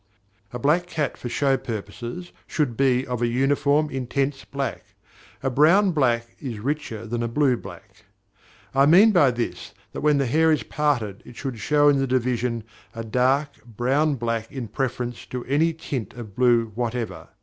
A black cat for show purposes should be of a uniform, intense black; a brown black is richer than a blue black. I mean by this that when the hair is parted it should show in the division a dark brown black in preference to any tint of blue whatever.